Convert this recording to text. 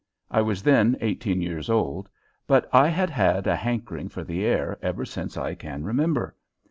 I was then eighteen years old, but I had had a hankering for the air ever since I can remember.